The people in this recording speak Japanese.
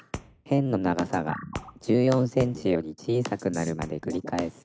「辺の長さが１４センチより小さくなるまでくりかえす」